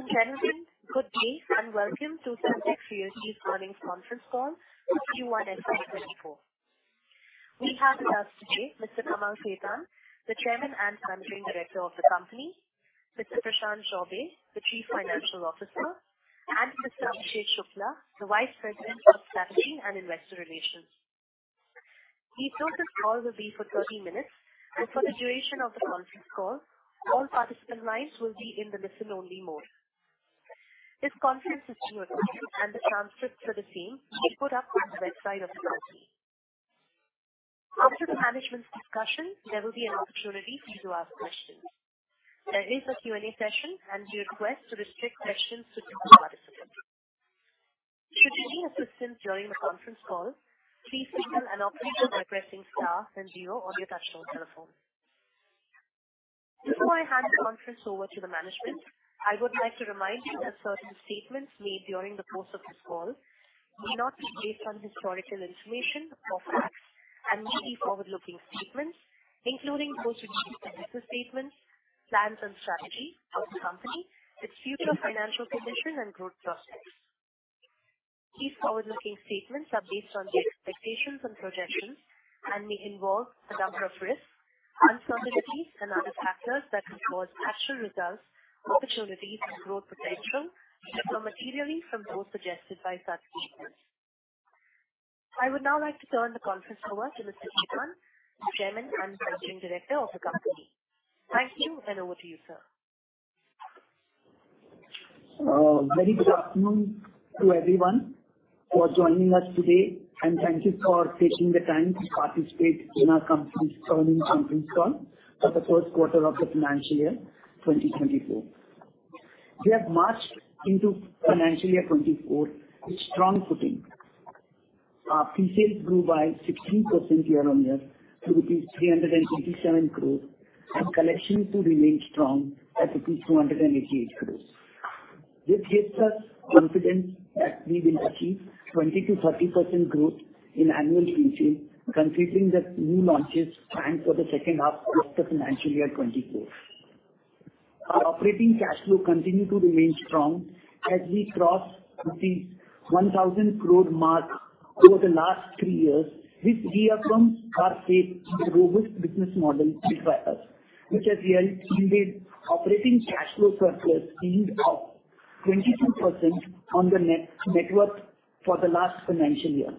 Ladies and gentlemen, good day, and welcome to Sunteck Realty's earnings conference call for Q1 FY 2024. We have with us today Mr. Kamal Khetan, the Chairman and Managing Director of the company, Mr. Prashant Chaubey, the Chief Financial Officer, and Mr. Abhishek Shukla, the Vice President of Strategy and Investor Relations. The initial call will be for 30 minutes, and for the duration of the conference call, all participant lines will be in the listen-only mode. This conference is recorded and the transcripts for the same will be put up on the website of the company. After the management's discussion, there will be an opportunity for you to ask questions. There is a Q&A session and we request to restrict questions to participants. Should you need assistance during the conference call, please signal an operator by pressing star and zero on your touchtone telephone. Before I hand the conference over to the management, I would like to remind you that certain statements made during the course of this call may not be based on historical information or facts and may be forward-looking statements, including those related to business statements, plans and strategy of the company, its future financial position and growth prospects. These forward-looking statements are based on the expectations and projections and may involve a number of risks, uncertainties, and other factors that could cause actual results, opportunities, and growth potential to differ materially from those suggested by such statements. I would now like to turn the conference over to Mr. Khetan, the Chairman and Managing Director of the company. Thank you, and over to you, sir. Very good afternoon to everyone for joining us today, and thank you for taking the time to participate in our company's earnings conference call for the first quarter of the financial year 2024. We have marched into financial year 2024 with strong footing. Our pre-sales grew by 16% year-on-year to rupees 327 crore, and collections too remained strong at rupees 288 crore. This gives us confidence that we will achieve 20%-30% growth in annual pre-sale, considering the new launches planned for the second half of the financial year 2024. Our operating cash flow continue to remain strong as we cross the 1,000 crore mark over the last three years, which reaffirms our faith in the robust business model built by us, which has yielded operating cash flow surplus being up 22% on the net, network for the last financial year.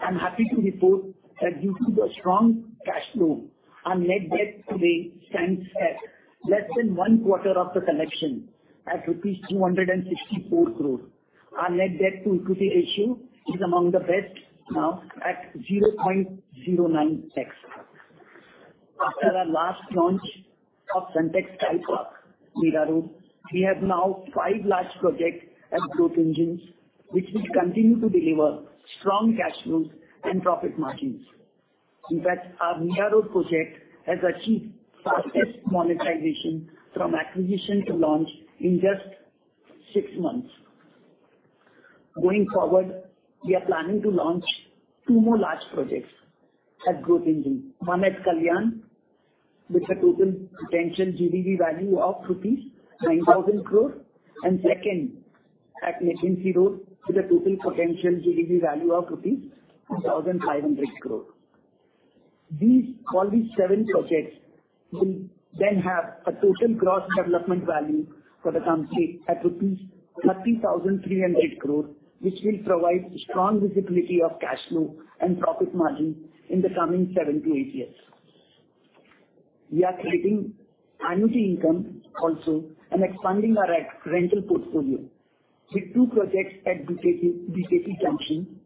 I'm happy to report that due to the strong cash flow, our net debt today stands at less than one quarter of the collection at rupees 264 crore. Our net debt to equity ratio is among the best now at 0.09x. After our last launch of Sunteck Sky Park, Mira Road, we have now five large projects as growth engines, which will continue to deliver strong cash flows and profit margins. In fact, our Mira Road project has achieved fastest monetization from acquisition to launch in just six months. Going forward, we are planning to launch two more large projects as growth engine, one at Kalyan, with a total potential GDV value of rupees 9,000 crore, and second at Nepean Sea Road with a total potential GDV value of rupees 1,500 crore. These all these seven projects will then have a total gross development value for the company at rupees 30,300 crore, which will provide strong visibility of cash flow and profit margin in the coming seven to eight years. We are creating annuity income also and expanding our rental portfolio with two projects at BKC, BKC Junction.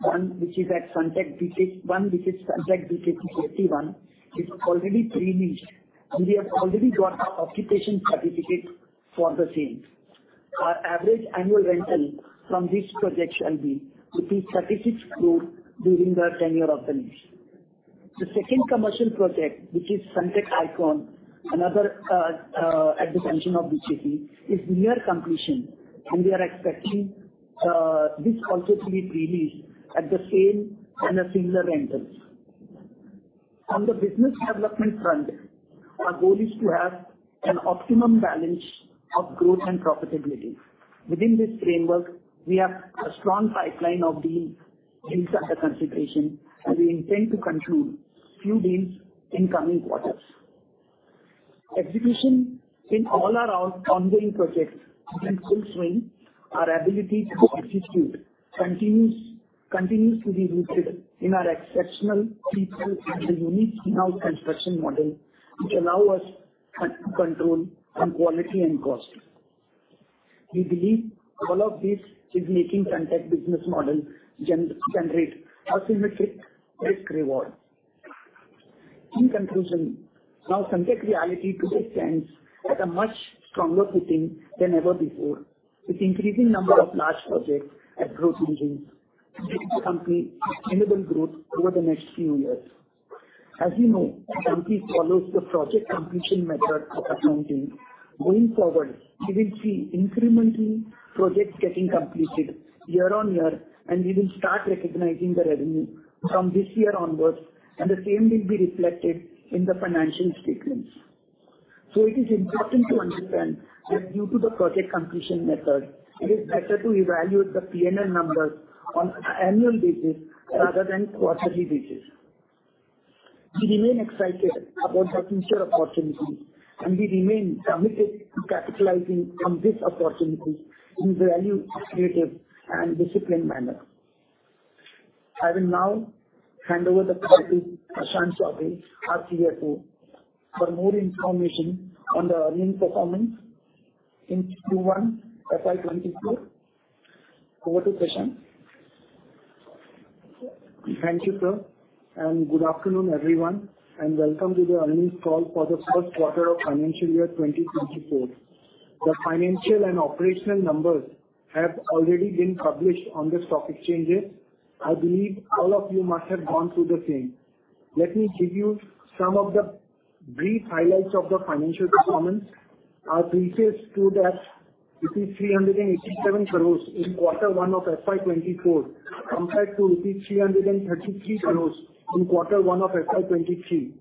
One, which is Sunteck BKC 51, is already pre-leased, and we have already got our occupation certificate for the same. Our average annual rental from this project shall be INR 36 crore during the tenure of the lease. The second commercial project, which is Sunteck Icon, another, at the junction of BKC, is near completion, and we are expecting this also to be pre-leased at the same and a similar rentals. On the business development front, our goal is to have an optimum balance of growth and profitability. Within this framework, we have a strong pipeline of deals under consideration, and we intend to conclude few deals in coming quarters. Execution in all our ongoing projects is in full swing. Our ability to execute continues, continues to be rooted in our exceptional people and the unique in-house construction model, which allow us to control on quality and cost. We believe all of this is making Sunteck business model generate asymmetric risk reward. In conclusion, now, Sunteck Realty today stands at a much stronger footing than ever before, with increasing number of large projects as growth engines to give the company sustainable growth over the next few years. As you know, the company follows the Project Completion Method of accounting. Going forward, we will see incrementally projects getting completed year-on-year, and we will start recognizing the revenue from this year onwards, and the same will be reflected in the financial statements. It is important to understand that due to the Project Completion Method, it is better to evaluate the P&L numbers on annual basis rather than quarterly basis. We remain excited about the future opportunities, and we remain committed to capitalizing on this opportunity in value, creative and disciplined manner. I will now hand over the call to Prashant Chaubey, our CFO, for more information on the earnings performance in Q1 FY 2024. Over to Prashant. Thank you, sir, and good afternoon, everyone, and welcome to the earnings call for the first quarter of FY 2024. The financial and operational numbers have already been published on the stock exchanges. I believe all of you must have gone through the same. Let me give you some of the brief highlights of the financial performance. Our pre-sales stood at INR 387 crore in Q1 of FY 2024, compared to 333 crore in Q1 of FY 2023,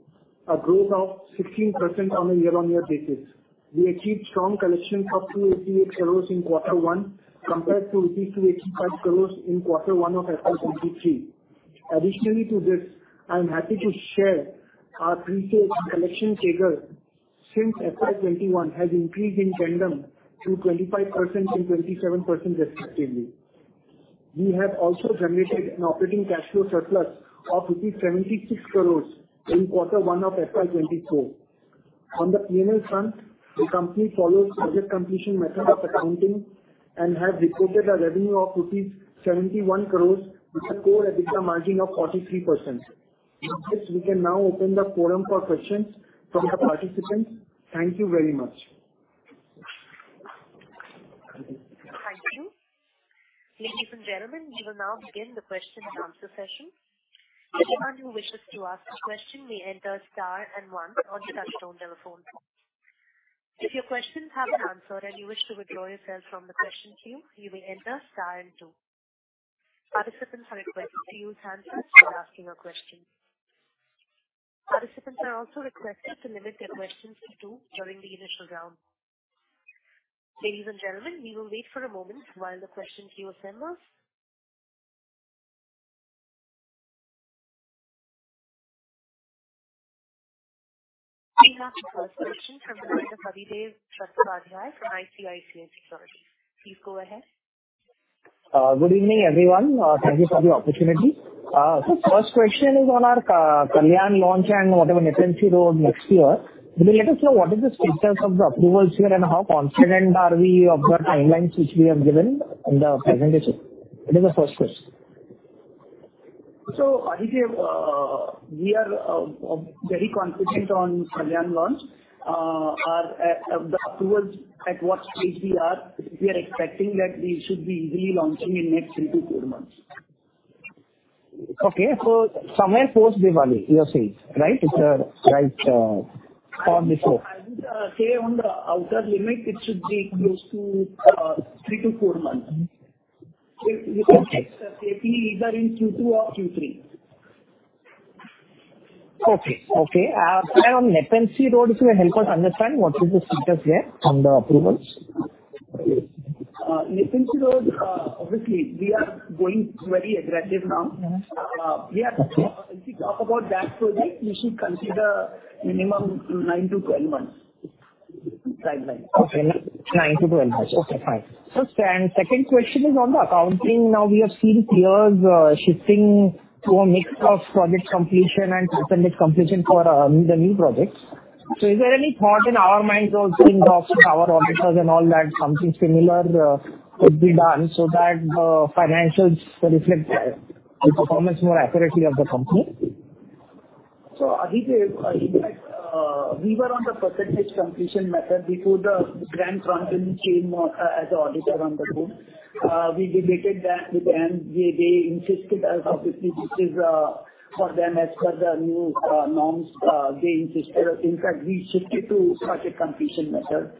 a growth of 16% on a year-on-year basis. We achieved strong collection of 288 crore in Q1, compared to rupees 285 crore in Q1 of FY 2023. Additionally to this, I'm happy to share our pre-sales collection taker since FY 2021 has increased in tandem to 25% and 27% respectively. We have also generated an operating cash flow surplus of rupees 76 crore in Q1 of FY 2024. On the P&L front, the company follows Project Completion Method of accounting and has reported a revenue of rupees 71 crore, with a core EBITDA margin of 43%. With this, we can now open the forum for questions from the participants. Thank you very much. Thank you. Ladies and gentlemen, we will now begin the question and answer session. Anyone who wishes to ask a question may enter star and one on your touchtone telephone. If your question has been answered and you wish to withdraw yourself from the question queue, you may enter star and two. Participants are requested to use hands-free when asking a question. Participants are also requested to limit their questions to two during the initial round. Ladies and gentlemen, we will wait for a moment while the question queue assembles. We have the first question from Adhidev Chattopadhyay from ICICI Securities. Please go ahead. Good evening, everyone. Thank you for the opportunity. First question is on our Kalyan launch and whatever Nepean Sea Road next year. Could you let us know what is the status of the approvals here, and how confident are we of the timelines which we have given in the presentation? That is the first question. Adhidev, we are very confident on Kalyan launch. The approvals at what stage we are, we are expecting that we should be easily launching in next three to four months. Okay. Somewhere post Diwali, you are saying, right? It's right on the floor. I would say on the outer limit, it should be close to three to four months. We can fix safely either in Q2 or Q3. Okay. Okay. On Nepean Sea Road, if you help us understand, what is the status there on the approvals? Nepean Sea Road, obviously, we are going very aggressive now. Mm-hmm. We are- Okay. If we talk about that project, we should consider minimum nine to 12 months timeline. Okay, nine to 12 months. Okay, fine. Second question is on the accounting. Now, we have seen clears shifting to a mix of project completion and percentage completion for the new projects. Is there any thought in our minds or in talks with our auditors and all that, something similar could be done so that financials reflect the performance more accurately of the company? Adhidev, in fact, we were on Percentage of Completion Method before Grant Thornton came on as the auditor on the board. We debated that with them. They, they insisted us, obviously, this is for them, as per the new norms, they insisted. In fact, we shifted to Project Completion Method.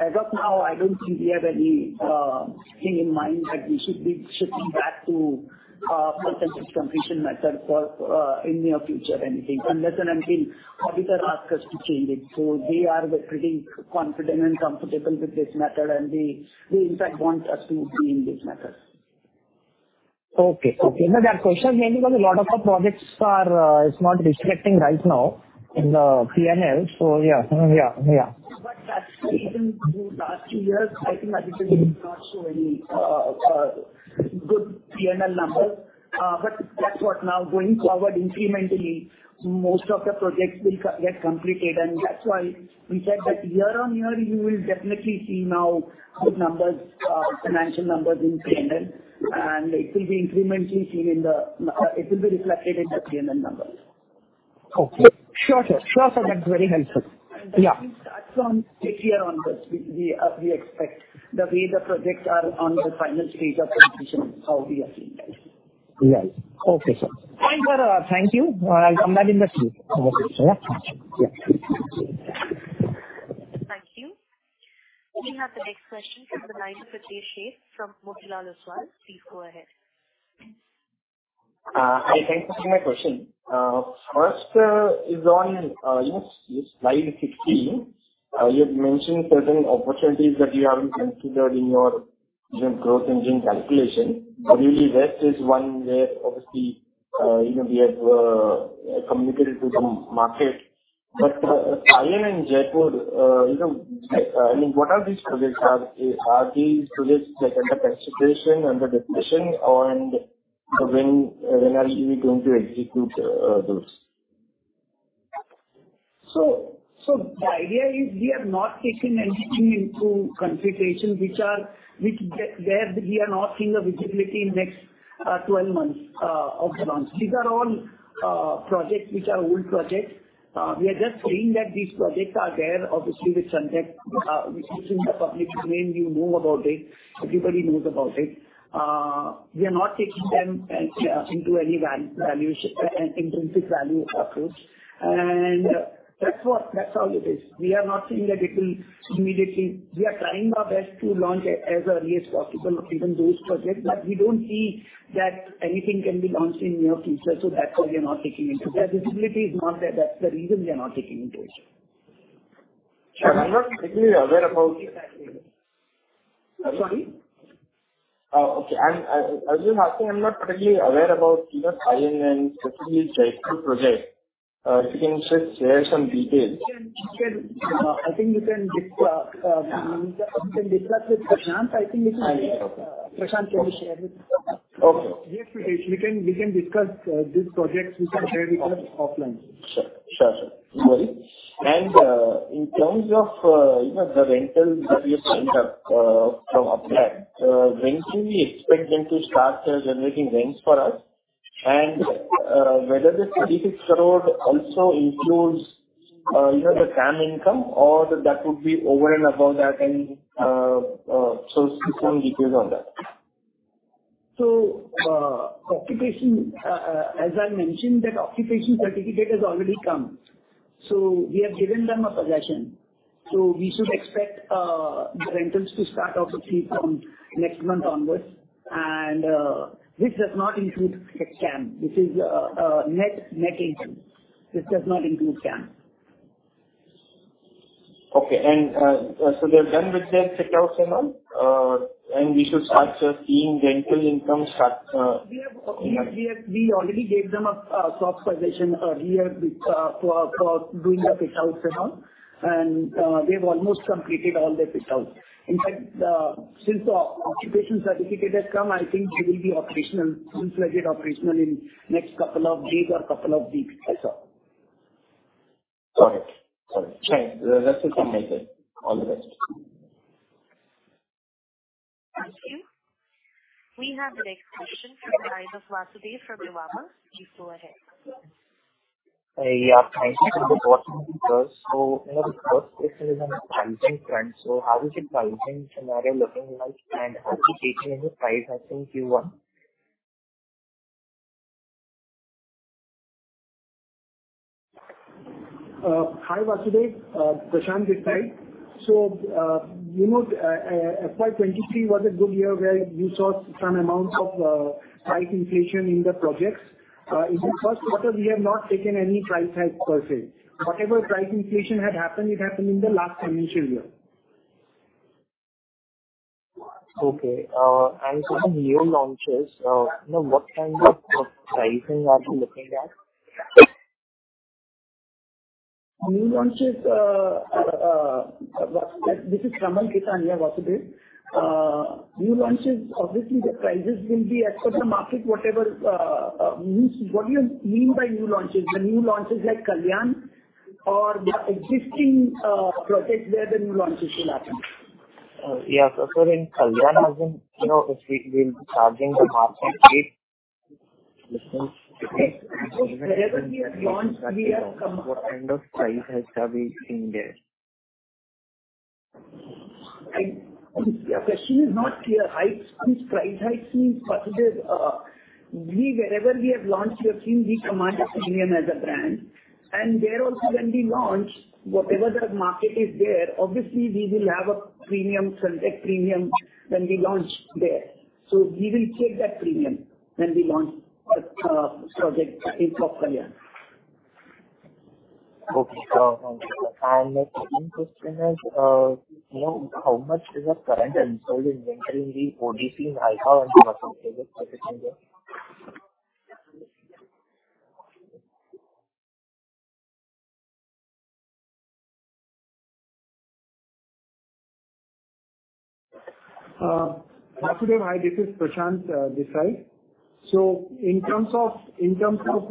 As of now, I don't think we have anything in mind that we should be shifting back Percentage of Completion Method for in near future or anything, unless and until auditor ask us to change it. We are pretty confident and comfortable with this method, and they, they in fact want us to be in this method. Okay. Okay. No, that question mainly because a lot of our projects are, is not reflecting right now in the P&L. So yeah. Yeah, yeah. That's the reason the last two years, I think, might not show any good P&L numbers. That's what now going forward incrementally, most of the projects will get completed, and that's why we said that year-on-year, you will definitely see now good numbers, financial numbers in P&L, and it will be incrementally seen in the, it will be reflected in the P&L numbers. Okay. Sure, sir. Sure, sir, that's very helpful. Yeah. It starts from this year onwards, we expect the way the projects are on the final stage of completion, how we are seeing that. Yes. Okay, sir. Thanks for. Thank you. I'm not in the queue. Okay, yeah. Yeah. We have the next question from the line of Pritesh Sheth from Motilal Oswal. Please go ahead. ing my question. First, is on, yes, slide 15. You've mentioned certain opportunities that you haven't considered in your growth engine calculation. Obviously, West is one where obviously, you know, we have communicated to the market. Kalyan and Jaipur, you know, I mean, what are these projects? Are these projects that are under consideration, under discussion, or and when, when are you going to execute those? The idea is we have not taken anything into consideration, which there, there we are not seeing a visibility in next 12 months of the launch. These are all projects which are old projects. We are just saying that these projects are there, obviously, with Sunteck, which is in the public domain. You know about it. Everybody knows about it. We are not taking them into any value, intrinsic value approach. That's what, that's all it is. We are not saying that it will immediately. We are trying our best to launch as early as possible, even those projects, but we don't see that anything can be launched in near future, that's why we are not taking into. The visibility is not there. That's the reason we are not taking into it. I'm not particularly aware about. Sorry? Okay. I'm, I, I was just asking, I'm not particularly aware about, you know, Kalyan and specifically Jaipur project. If you can just share some details. You can, you can, I think you can discuss with Prashant. Okay. Prashant can share with you. Okay. Yes, we can, we can discuss these projects which are there with us offline. Sure. Sure, sure. No worry. In terms of, you know, the rentals that you have lined up from upGrad, when do we expect them to start generating rents for us? Whether the 36 crore also includes, you know, the CAM income or that would be over and above that? Some details on that. Occupation, as I mentioned, that occupation certificate has already come. We have given them a possession. We should expect the rentals to start obviously from next month onwards. This does not include the CAM. This is net, net income. This does not include CAM. Okay. They're done with their fit-out and all, and we should start. We already gave them a soft possession earlier with for doing the fit-outs and all, and they've almost completed all the fit-outs. In fact, since the occupation certificate has come, I think they will be operational, fully fledged operational in next couple of days or couple of weeks as well. Got it. Got it. Okay. That's the thing, make it all the best. Thank you. We have the next question from the line of Vasudev from Nuvama. Please go ahead. Yeah. Thank you for the opportunity, sir. My first question is on pricing front. How is the pricing scenario looking like, and are we seeing any price hike in Q1? Hi, Vasudev, Prashant this time. So, you know, FY 2023 was a good year where you saw some amount of price inflation in the projects. In the 1st quarter, we have not taken any price hike per se. Whatever price inflation had happened, it happened in the last financial year. Okay. For the new launches, you know, what kind of pricing are you looking at? New launches. This is Kamal Khetan, Vasudev. New launches, obviously, the prices will be as per the market, whatever. What do you mean by new launches? The new launches like Kalyan or the existing projects where the new launches will happen? Yeah. In Kalyan, as in, you know, if we've been charging the market rate since- Wherever we have launched, we have- What kind of price hikes have we seen there? Your question is not clear. Price, price hiking. It is, we wherever we have launched, you have seen we command a premium as a brand. There also when we launch, whatever the market is there, obviously we will have a premium, Sunteck premium, when we launch there. We will take that premium when we launch project in South Kalyan. Okay, the second question is, you know, how much is the current unsold inventory in the ODC in Naigaon and Vasai project? Vasudev, hi, this is Prashant this side. In terms of, in terms of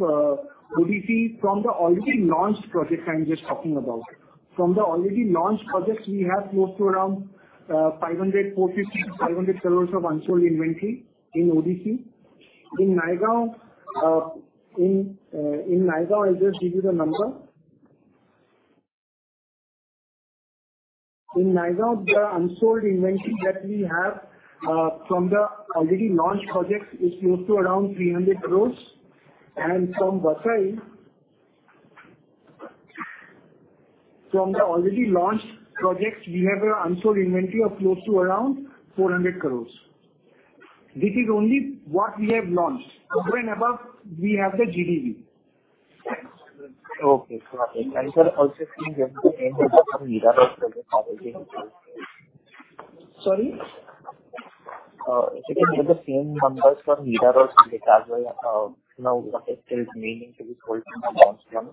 ODC from the already launched project, I'm just talking about. From the already launched projects, we have close to around 450 crore-500 crore of unsold inventory in ODC. In Naigaon, in Naigaon, I'll just give you the number. In Naigaon, the unsold inventory that we have from the already launched projects is close to around 300 crore. From Vasai- From the already launched projects, we have a unsold inventory of close to around 400 crore. This is only what we have launched. Over and above, we have the GDV. Okay, got it. Sir, also can you give the end of the Mira Road project? Sorry? If you can give the same numbers from Mira Road as well. Now, what is still remaining to be sold from the launch number?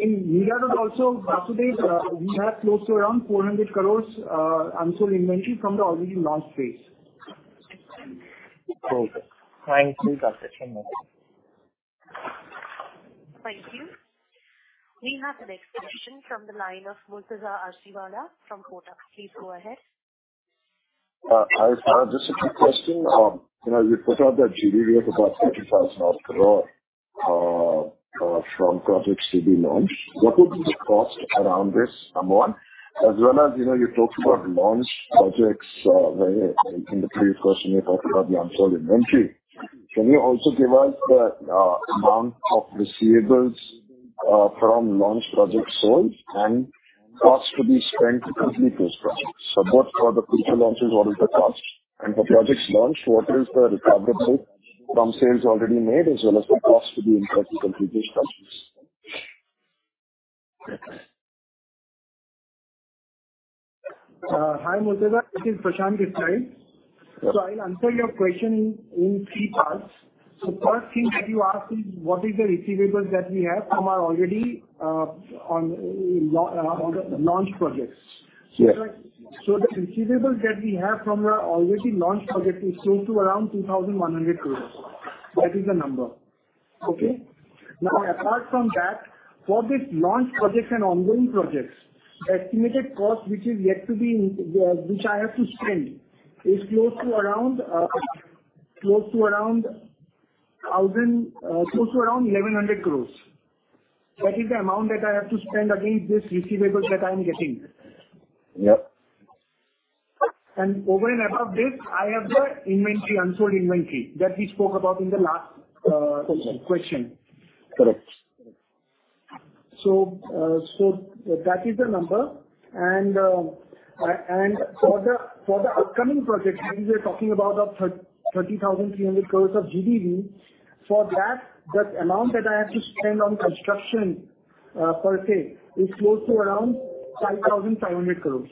In Mira Road also, as of date, we have close to around 400 crore, unsold inventory from the already launched phase. Okay. Thank you, doctor, one more. Thank you. We have the next question from the line of Murtuza Arsiwalla from Kotak. Please go ahead. I, I have just a quick question. You know, you put out that GDV of about 35,000 crore from projects to be launched. What would be the cost around this, number one? You know, you talked about launched projects in the previous question, you talked about the unsold inventory. Can you also give us the amount of receivables from launched projects sold and costs to be spent to complete those projects? Both for the future launches, what is the cost? For projects launched, what is the recoverable from sales already made, as well as the cost to be incurred to complete these projects? Hi, Murtuza, this is Prashant this side. I'll answer your question in three parts. First thing that you asked is, what is the receivables that we have from our already on on the launched projects. Yes. The receivables that we have from our already launched project is close to around 2,100 crore. That is the number. Okay? Apart from that, for this launched projects and ongoing projects, the estimated cost, which is yet to be in, which I have to spend, is close to around 1,100 crore. That is the amount that I have to spend against this receivables that I am getting. Yep. Over and above this, I have the inventory, unsold inventory that we spoke about in the last. Correct. -question. Correct. That is the number. For the upcoming projects, we are talking about the 30,300 crore of GDV. For that, the amount that I have to spend on construction, per se, is close to around 5,500 crore.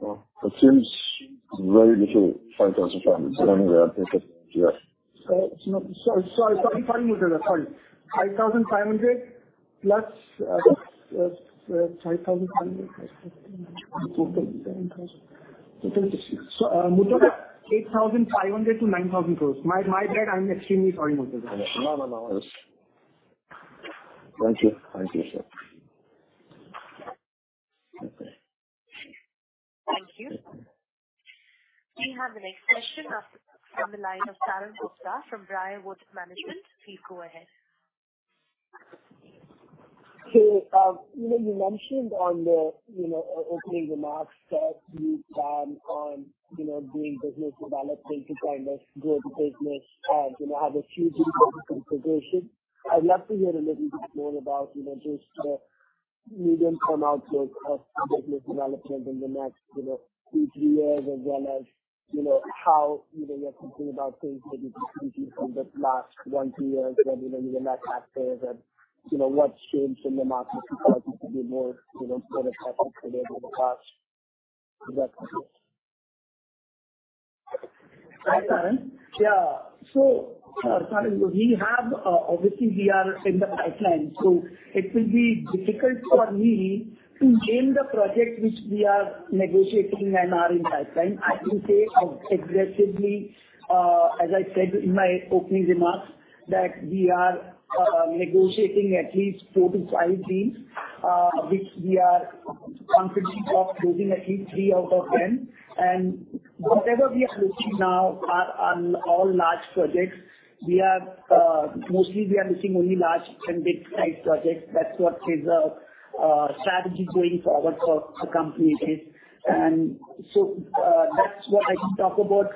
Well, it seems very little, 5,500. Let me write this down. Yeah. No, sorry, sorry, sorry, Murtuza, sorry. 5,500 plus 5,500 so, Murtuza, INR 8,500 crore-INR 9,000 crore. My, my bad. I'm extremely sorry, Murtuza. No, no, no. Thank you. Thank you, sir. Thank you. We have the next question from the line of Sarang Gupta from Briarwood Chase Management. Please go ahead. You know, you mentioned on the, you know, opening remarks that you plan on, you know, doing business development to kind of grow the business and, you know, have a huge growth in progression. I'd love to hear a little bit more about, you know, just the medium-term outlook of business development in the next, you know, two, three years, as well as, you know, how, you know, you are thinking about things that you from the last one, two years when, you know, you were not that active. you know, what's changed in the market to be more, you know, sort of active today over the past? Hi, Sarang. Yeah. Sarang, we have, obviously we are in the pipeline, so it will be difficult for me to name the project which we are negotiating and are in pipeline. I can say aggressively, as I said in my opening remarks, that we are negotiating at least four to five deals, which we are confident of closing at least three out of 10. Whatever we are looking now are on all large projects. We are, mostly we are looking only large and mid-sized projects. That's what is our strategy going forward for the company is. That's what I can talk about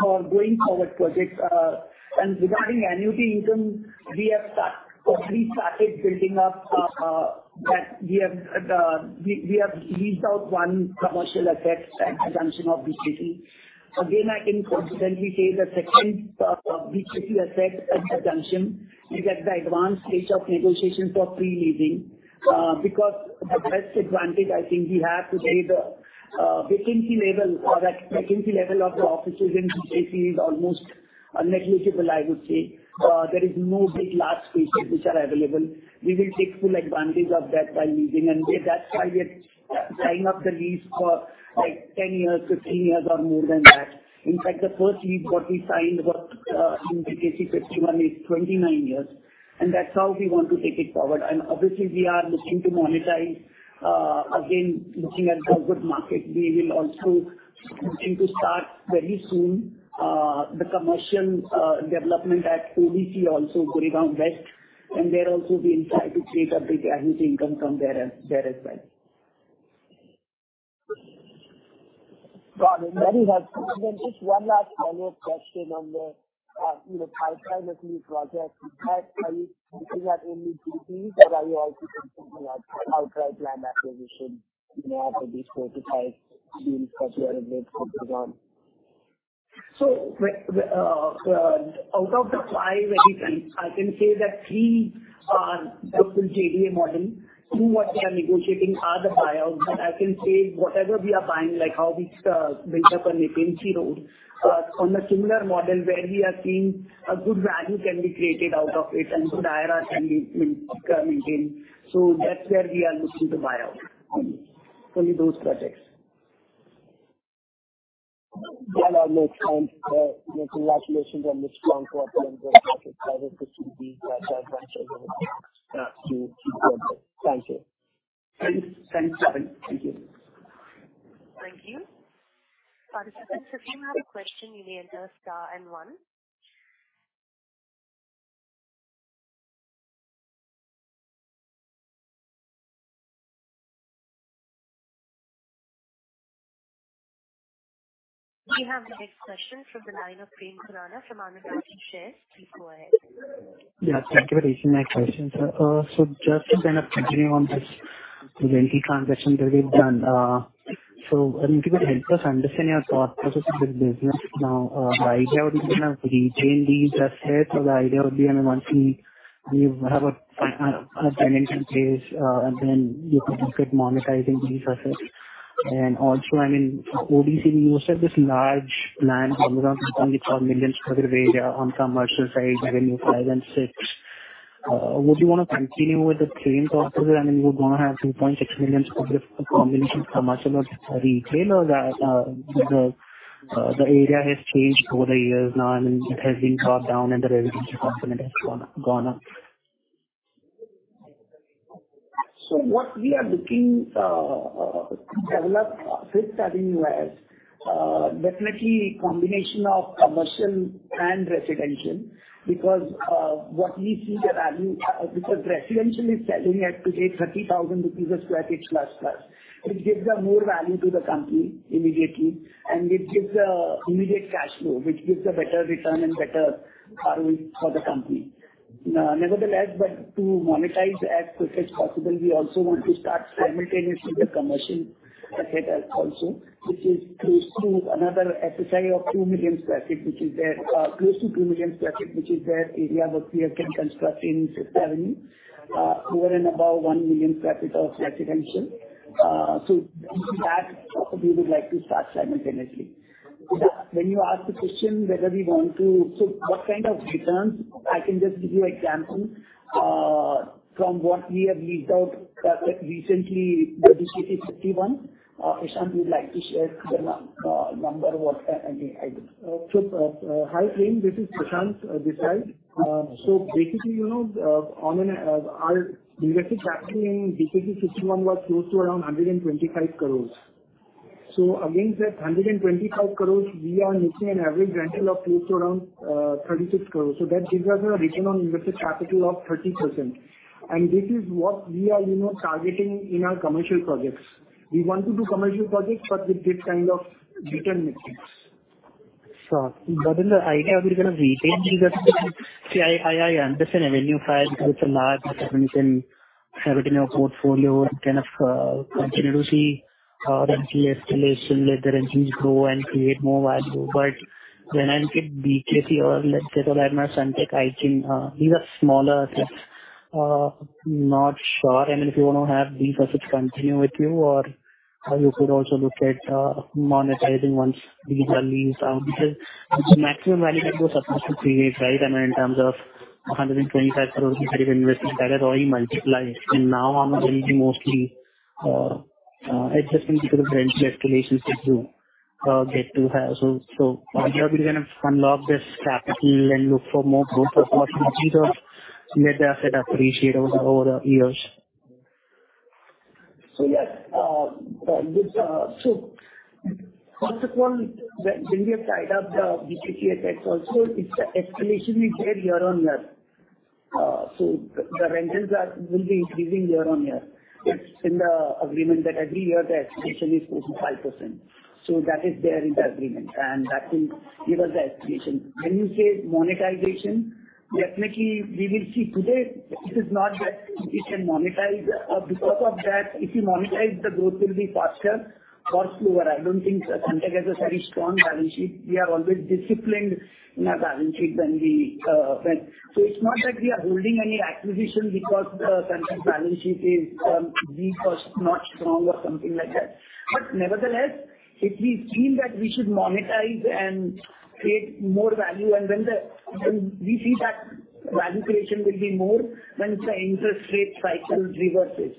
for going forward projects. Regarding annuity income, we have already started building up, that we have, we have leased out one commercial asset at the junction of BKC. I can confidently say the second, BKC asset at the junction is at the advanced stage of negotiations for pre-leasing. The best advantage I think we have to say the, vacancy level or the vacancy level of the offices in BKC is almost negligible, I would say. There is no big large spaces which are available. We will take full advantage of that by leasing, and that's why we are signing up the lease for like 10 years, 15 years or more than that. In fact, the first lease what we signed was, in BKC 51 is 29 years, and that's how we want to take it forward. Obviously we are looking to monetize. Again, looking at the good market, we will also looking to start very soon, the commercial development at ODC, also Gurgaon West, and there also we intend to take up the annuity income from there as well. Got it. Very helpful. Just one last follow-up question on the, you know, pipeline of new projects you have. Are you looking at only GPs or are you also looking at outright land acquisition, you know, maybe four to five deals that you are a bit focused on? The, the, out of the five that you can, I can say that three are the JDA model. Two what we are negotiating are the buyouts, I can say whatever we are buying, like how we built up on Nepean Sea Road. On a similar model where we are seeing a good value can be created out of it and good IRR can be, can maintain. That's where we are looking to buy out, only, only those projects. Well, look, congratulations on the strong quarter and good project, whether it's the CD. Thank you. Thanks. Thanks, Sarang. Thank you. Thank you. Participants, if you have a question, you may enter star 1. We have the next question from the line of Prem Khurana from Anand Rathi Share. Please go ahead. Thank you for taking my question, sir. Just to kind of continue on this rental transaction that we've done. If you could help us understand your thought process of this business now. The idea would be to retain these assets, so the idea would be, I mean, once we- we have a, a, a tenant in place, and then you can start monetizing these assets. ODC, you said this large land around 24 million sq m area on commercial side, avenue 5 and 6. Would you want to continue with the same process? You're going to have 2.6 million sq ft of combination commercial or retail, or that the area has changed over the years now, and it has been brought down and the residential component has gone, gone up. What we are looking to develop with Fifth Avenue as definitely combination of commercial and residential, because what we see the value. Residential is selling at today, 30,000 rupees a sq ft plus, plus. It gives a more value to the company immediately, and it gives a immediate cash flow, which gives a better return and better ROI for the company. Nevertheless, but to monetize as quick as possible, we also want to start simultaneously the commercial assets also, which is close to another FSI of 2 million sq ft, area where we can construct in Fifth Avenue more and above 1 million sq ft of residential. That probably we would like to start simultaneously. When you ask the question whether we want to... What kind of returns? I can just give you example from what we have leased out recently, the Sunteck BKC 51. Prashant, would you like to share the number? I mean, hi, Prem, this is Prashant this side. Our invested capital in Sunteck BKC 51 was close to around 125 crore. Against that 125 crore, we are making an average rental of close to around 36 crore. That gives us a return on invested capital of 30%. This is what we are, you know, targeting in our commercial projects. We want to do commercial projects with this kind of return metrics. The idea will be going to retain because, see, I understand Fifth Avenue, it's a large investment in everything, your portfolio kind of, continue to see rental escalation, let the rentals grow and create more value. When I look at BKC or let's say Sunteck, I think, these are smaller assets. Not sure, I mean, if you want to have these assets continue with you or, or you could also look at, monetizing once these are leased out. The maximum value that you are supposed to create, right? I mean, in terms of 125 crore you have invested, that is already multiplied. Now on it will be mostly, adjusting to the rental escalations that you, get to have. So are you going to unlock this capital and look for more growth or possibly just let the asset appreciate over the years? Yes, first of all, when we have tied up the ODC asset also, the escalation is there year-on-year. The rentals will be increasing year-on-year. It's in the agreement that every year the escalation is close to 5%. That is there in the agreement, and that will give us the escalation. When you say monetization, definitely we will see. Today, it is not that we can monetize, because of that, if you monetize, the growth will be faster or slower. I don't think Sunteck has a very strong balance sheet. We are always disciplined in our balance sheet when we sell. It's not that we are holding any acquisition because the Sunteck balance sheet is weak or not strong or something like that. Nevertheless, if we feel that we should monetize and create more value, and when we see that value creation will be more when the interest rate cycle reverses,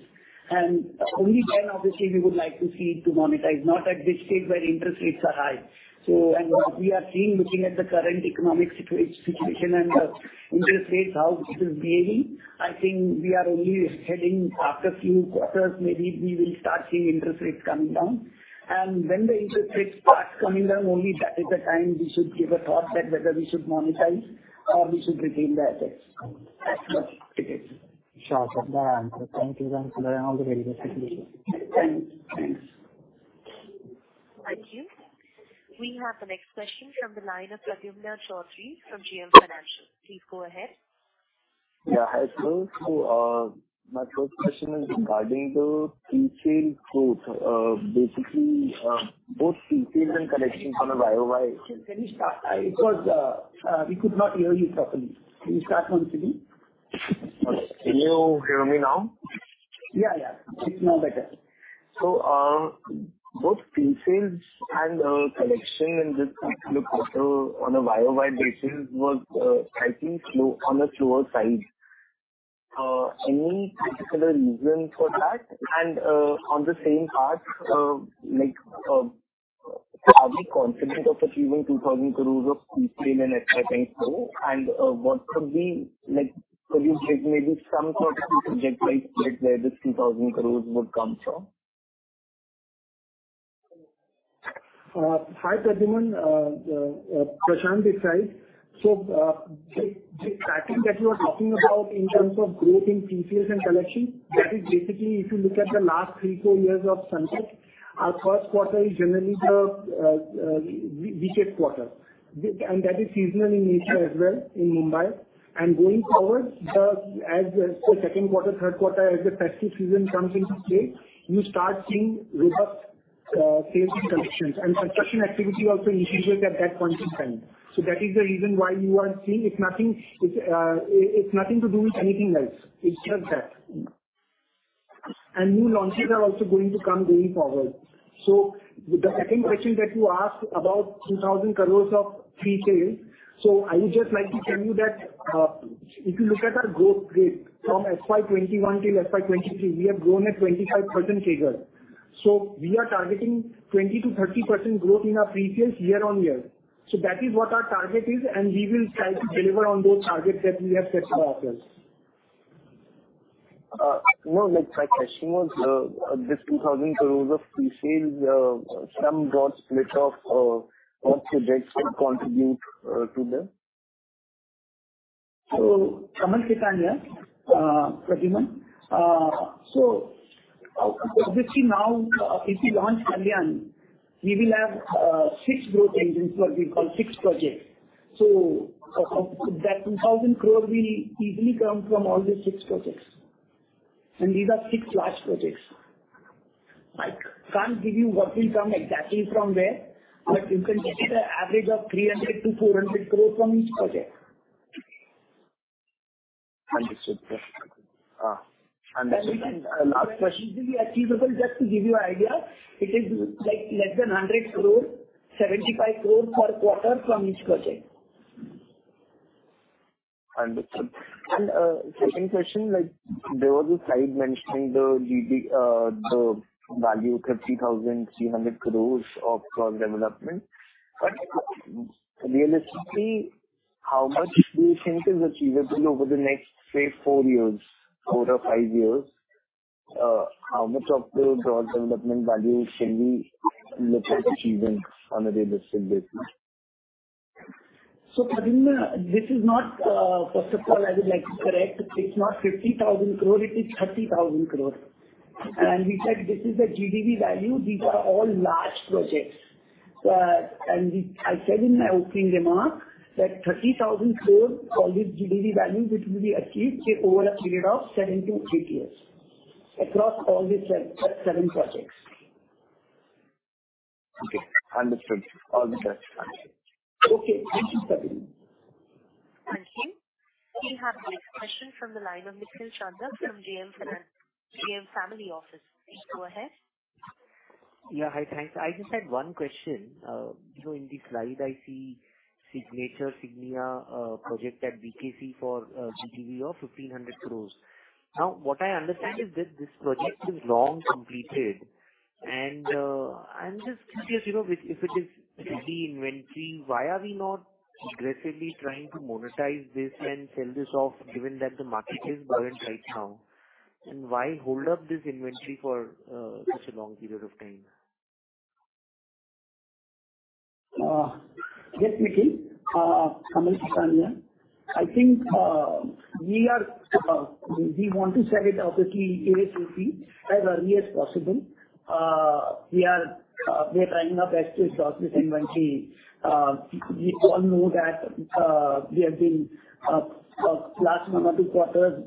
and only then, obviously, we would like to see to monetize, not at this stage where interest rates are high. We are seeing, looking at the current economic situation and the interest rates, how it is behaving, I think we are only heading after few quarters, maybe we will start seeing interest rates coming down. When the interest rates start coming down, only that is the time we should give a thought that whether we should monetize or we should retain the assets. That's what it is. Sure, that's the answer. Thank you, and all the very best. Thanks. Thanks. Thank you. We have the next question from the line of Pradyumna Choudhary from JM Financial. Please go ahead. Yeah. Hi, my first question is regarding the pre-sale growth. Basically, both pre-sales and collection on a YOY- Can you start? We could not hear you properly. Can you start once again? Can you hear me now? Yeah, yeah. It's more better. Both pre-sales and collection in this quarter on a YoY basis was slightly slow, on the slower side. Any particular reason for that? On the same part, are we confident of achieving 2,000 crore of pre-sale in FY 2024? What could be, could you check maybe some sort of project where this 2,000 crore would come from? Hi, Pradyumna, Prashant this side. The tracking that you are talking about in terms of growth in pre-sales and collection, that is basically if you look at the last three, four years of Sunteck, our first quarter is generally the weakest quarter. That is seasonal in nature as well in Mumbai. Going forward, as the second quarter, third quarter, as the festive season comes into play, you start seeing robust sales and collections and construction activity also initiates at that point in time. That is the reason why you are seeing. It's nothing, it's nothing to do with anything else. It's just that. New launches are also going to come going forward. The second question that you asked about 2,000 crore of pre-sales, I would just like to tell you that if you look at our growth rate from FY 2021 till FY 2023, we have grown at 25% figure. We are targeting 20%-30% growth in our pre-sales year-on-year. That is what our target is, and we will try to deliver on those targets that we have set for ourselves. no, like my question was, this 2,000 crore of pre-sales, some got split off, what the debt can contribute, to the? Kamal Khetan here, Pradyumna. Obviously now, if you launch Kalyan, we will have six growth engines, what we call six projects. Of that 2,000 crore will easily come from all the six projects. These are six large projects. I can't give you what will come exactly from where, but you can take an average of 300 crore-400 crore from each project. Understood. The second, last question? Achievable. Just to give you an idea, it is like less than 100 crore, 75 crore per quarter from each project. Understood. Second question, like there was a slide mentioning the GDV, the value, 50,300 crore of gross development. Realistically, how much do you think is achievable over the next, say, four years, four or five years? How much of the gross development value can we look at achieving on a realistic basis? Pradyumna, this is not. First of all, I would like to correct. It's not 50,000 crore, it is 30,000 crore. We said this is the GDV value. These are all large projects. I said in my opening remark that 30,000 crore for this GDV value, which will be achieved over a period of seven to eight years across all the seven projects. Okay, understood. All the best. Okay. Thank you, Pradyumna. Thank you. We have the next question from the line of Nikhil Chandra from JM Family Office. Please go ahead. Yeah. Hi. Thanks. I just had one question. So in the slide, I see Signature Signia Project at BKC for GDV of 1,500 crore. What I understand is that this project is long completed, and I'm just curious, you know, with, if it is ready inventory, why are we not aggressively trying to monetize this and sell this off, given that the market is buoyant right now? Why hold up this inventory for such a long period of time? Yes, Nikhil. Kamal Khetan here. I think, we are, we want to sell it obviously, as soon as ASAP, as early as possible. We are, we are trying our best to exhaust this inventory. We all know that, we have been, last number of quarters,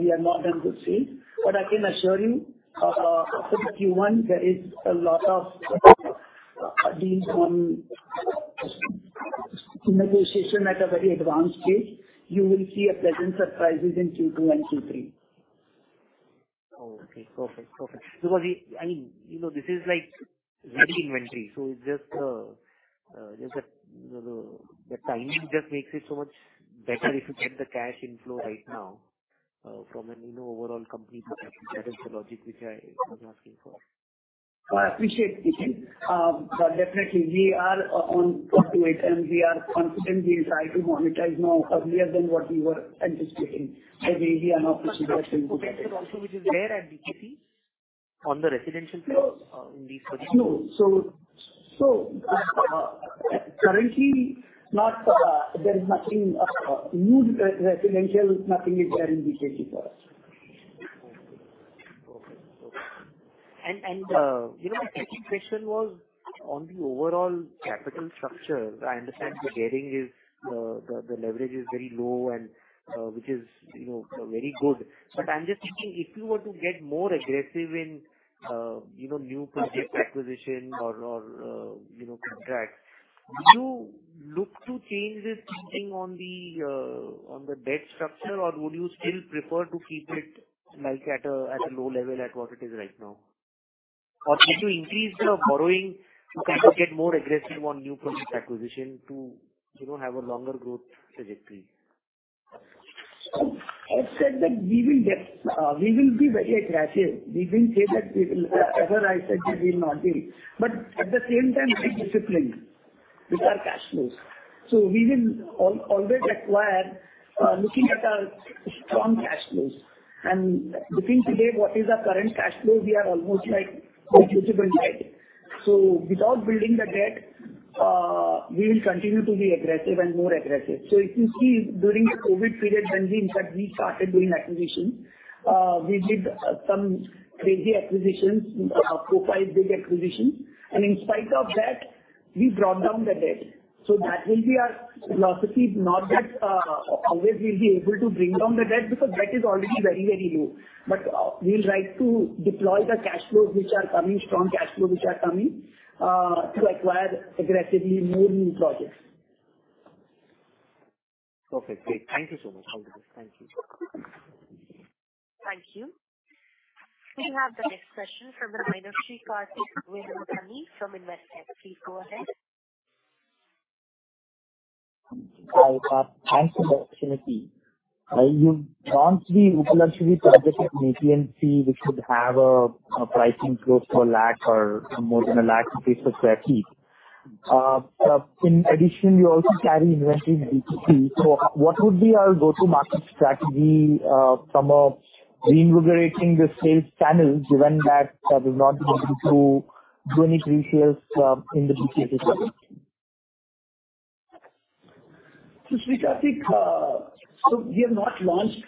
we have not been able to sell. I can assure you, so Q1, there is a lot of, deals, in negotiation at a very advanced stage. You will see a pleasant surprises in Q2 and Q3. Okay, perfect. Perfect. I, you know, this is like ready inventory, so it's just, just the, the, the timing just makes it so much better if you get the cash inflow right now, from an, you know, overall company perspective. That is the logic which I, I'm asking for. I appreciate, Nikhil. Definitely we are on top of it, and we are confident we try to monetize more earlier than what we were anticipating, as we are not receiving. Okay. Also, which is there at BKC? On the residential floor, in the- No. currently not, there's nothing, new residential, nothing is there in BKC. Okay. Okay. You know, my second question was on the overall capital structure. I understand the gearing is, the, the leverage is very low and, which is, you know, very good. I'm just thinking, if you were to get more aggressive in, you know, new project acquisition or, or, you know, contract, would you look to change this something on the, on the debt structure, or would you still prefer to keep it like at a, at a low level at what it is right now? Should you increase the borrowing to kind of get more aggressive on new project acquisition to, you know, have a longer growth trajectory? I've said that we will get. We will be very aggressive. We didn't say that we will, as I said, we will not be. At the same time, be disciplined with our cash flows. We will always acquire, looking at our strong cash flows. Between today, what is our current cash flow, we are almost like usable debt. Without building the debt, we will continue to be aggressive and more aggressive. If you see during the COVID period, when we in fact, we started doing acquisitions, we did some crazy acquisitions, profile big acquisitions, and in spite of that, we brought down the debt. That will be our philosophy, not that, always we'll be able to bring down the debt, because debt is already very, very low. We'll like to deploy the cash flows, which are coming strong cash flow, which are coming, to acquire aggressively more new projects. Perfect. Great. Thank you so much. Thank you. Thank you. We have the next question from the line of Sri Karthik Velamakanni from Investec. Please go ahead. Hi, thanks for the opportunity. You've launched the luxury project at Nepean Sea Road, which should have a pricing close to 1 lakh or more than 1 lakh rupees per sq ft. In addition, you also carry inventory in BKC. What would be our go-to-market strategy, some of reinvigorating the sales channels, given that I will not be able to do any pre-sales in the BKC? Sri Karthik, so we have not launched,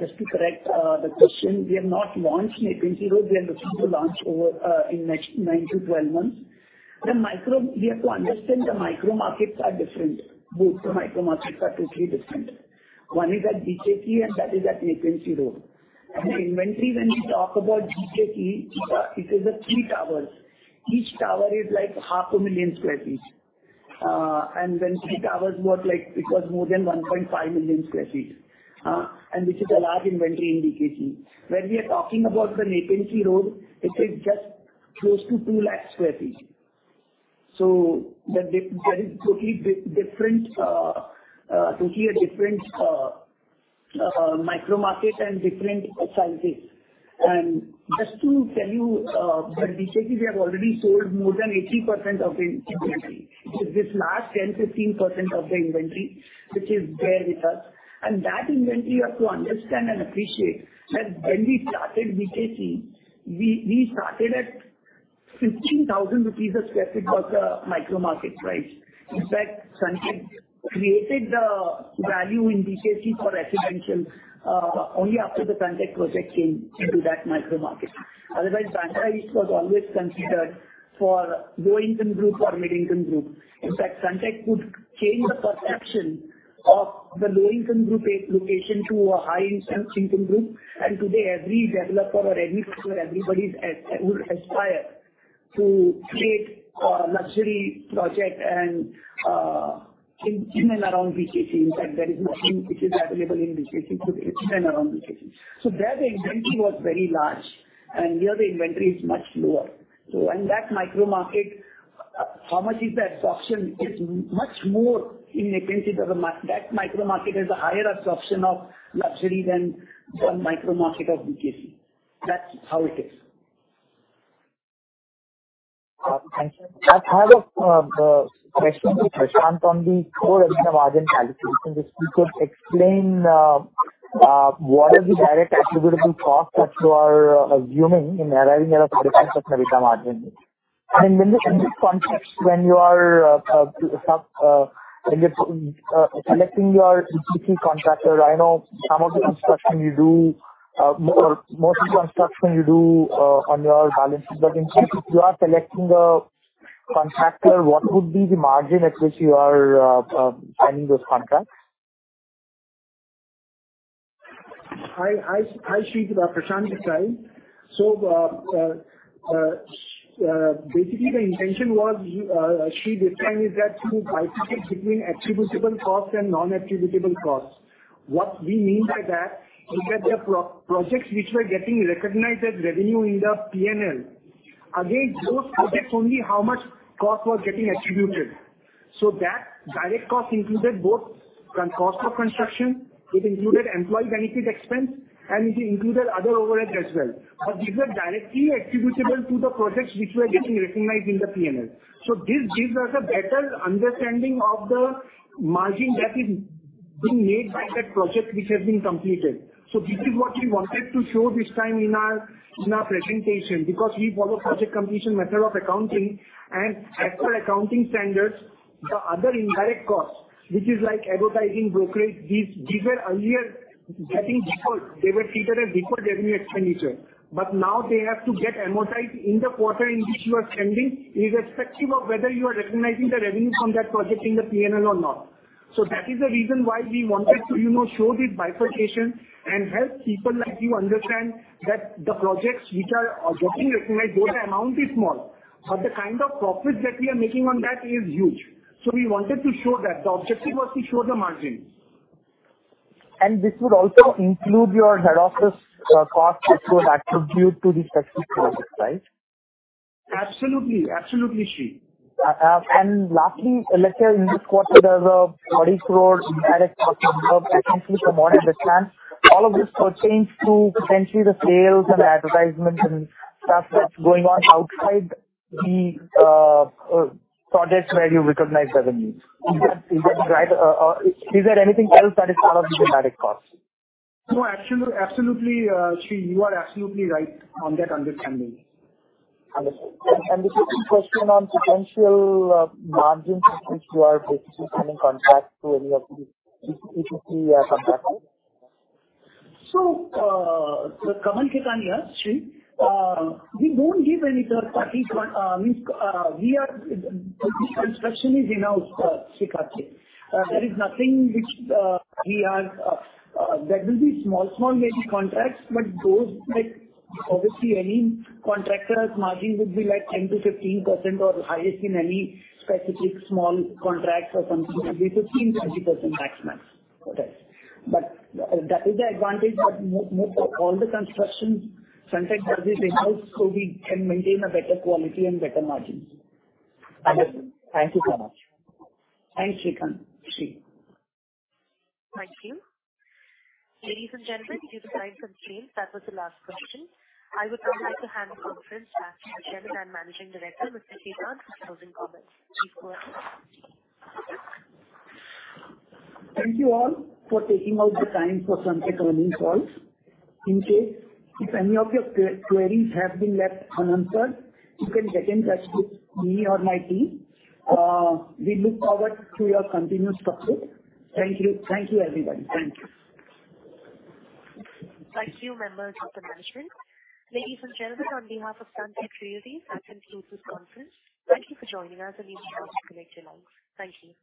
just to correct the question. We have not launched Nepean Sea Road. We are looking to launch over in next nine to 12 months. We have to understand the micro markets are different. Both the micro markets are totally different. One is at BKC, and that is at Nepean Sea Road. The inventory, when we talk about BKC, it is a three towers. Each tower is like 500,000 sq ft. When three towers work like it was more than 1.5 million sq ft. Which is a large inventory in BKC. When we are talking about the Nepean Sea Road, it is just close to 200,000 sq ft. That is totally different, totally a different micro market and different sizes. Just to tell you, the BKC, we have already sold more than 80% of the inventory. It is this last 10%-15% of the inventory which is there with us. That inventory, you have to understand and appreciate that when we started BKC, we, we started at 15,000 rupees a sq ft was the micro market price. In fact, Sunteck created the value in BKC for residential, only after the Sunteck project came into that micro market. Otherwise, Bandra East was always considered for low-income group or middle-income group. In fact, Sunteck could change the perception of the low-income group location to a high-income group. Today, every developer or every builder, everybody would aspire to create a luxury project and, in, in and around BKC. In fact, there is nothing which is available in BKC today, it's in and around BKC. There the inventory was very large and here the inventory is much lower. In that micro market, how much is the absorption? It's much more in Nepean Sea Road. That micro market has a higher absorption of luxury than the micro market of BKC. That's how it is. Thank you. I have a question, Prashant, on the total margin calculation. If you could explain what is the direct attributable cost that you are assuming in arriving at a percentage of the margin? In this context, when you are selecting your EPC contractor, I know some of the construction you do, most of the construction you do on your balance sheet. In case you are selecting a contractor, what would be the margin at which you are signing those contracts? Hi, hi, Sri. Prashant this side. Basically the intention was, Sri, the time is that to differentiate between attributable costs and non-attributable costs. What we mean by that is that the projects which were getting recognized as revenue in the P&L, against those projects, only how much cost was getting attributed. That direct cost included both cost of construction, it included employee benefit expense, and it included other overheads as well. These were directly attributable to the projects which were getting recognized in the P&L. This gives us a better understanding of the margin being made by that project which has been completed. This is what we wanted to show this time in our, in our presentation, because we follow Project Completion Method of accounting. As per accounting standards, the other indirect costs, which is like advertising, brokerage, these were earlier getting before they were treated as before revenue expenditure. Now they have to get amortized in the quarter in which you are spending, irrespective of whether you are recognizing the revenue from that project in the P&L or not. That is the reason why we wanted to, you know, show this bifurcation and help people like you understand that the projects which are getting recognized, those amounts is small, but the kind of profits that we are making on that is huge. We wanted to show that. The objective was to show the margin. This would also include your head office, cost, which was attributed to the specific project, right? Absolutely. Absolutely, Sri. Lastly, let's say in this quarter there's a 40 crore direct cost from what I understand. All of this pertains to potentially the sales and advertisements and stuff that's going on outside the projects where you recognize revenue. Is that, is that right? Or is there anything else that is part of the direct costs? No, absolutely, Sri, you are absolutely right on that understanding. Understood. The second question on potential margins, which you are basically coming contract to any of these EPC contracts. Kamal Khetan here, Sri. We don't give any third party. We are, the construction is in-house, Sri Karthik. There is nothing which we are. There will be small, small maybe contracts, but those like obviously any contractors margin would be like 10%-15% or highest in any specific small contracts or something, it will be 15%, 20% max, max. Okay. That is the advantage that most of all the construction contracts are in-house, so we can maintain a better quality and better margins. Understood. Thank you so much. Thanks, Sri Karthik. Thank you. Ladies and gentlemen, please sign from Sri. That was the last question. I would now like to hand the conference back to the Chairman and Managing Director, Mr. Khetan, for closing comments. Thank you all for taking out the time for Sunteck earnings call. In case if any of your queries have been left unanswered, you can get in touch with me or my team. We look forward to your continuous support. Thank you. Thank you, everybody. Thank you. Thank you, members of the management. Ladies and gentlemen, on behalf of Sunteck Realty, that concludes this conference. Thank you for joining us, and we hope to connect you along. Thank you.